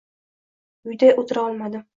Uyda o`tira olmadim